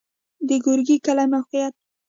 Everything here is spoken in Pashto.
د ګورکي کلی موقعیت